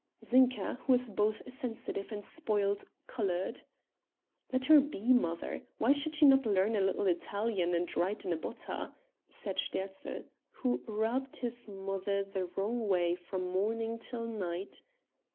Zinka, who was both sensitive and spoilt, colored. "Let her be, mother, why should she not learn a little Italian and ride in a Botta? said Sterzl, who rubbed his mother the wrong way from morning till night.